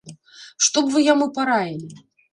Што б вы яму параілі?